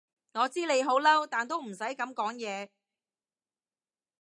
我知你好嬲，但都唔使噉講嘢